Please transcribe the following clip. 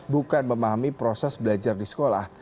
bukan memahami proses belajar di sekolah